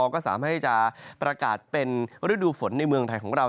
ก็สามารถที่จะประกาศเป็นฤดูฝนในเมืองไทยของเรา